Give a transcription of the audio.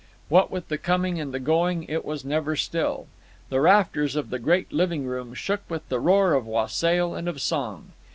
What with the coming and the going, it was never still. The rafters of the great living room shook with the roar of wassail and of song.